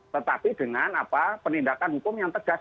tetapi dengan penindakan hukum yang tegas